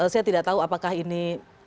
saya tidak tahu apakah ini